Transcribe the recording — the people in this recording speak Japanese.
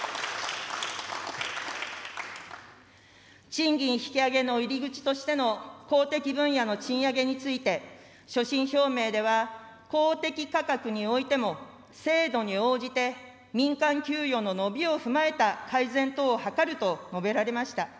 賃金引き上げの入り口としての公的分野の賃上げについて、所信表明では公的価格においても制度に応じて、民間給与の伸びを踏まえた改善等を図ると述べられました。